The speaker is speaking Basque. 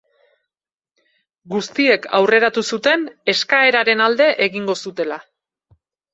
Guztiek aurreratu zuten eskaeraren alde egingo zutela.